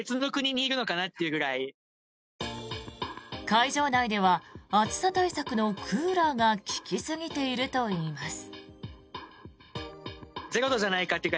会場内では暑さ対策のクーラーが利きすぎているといいます。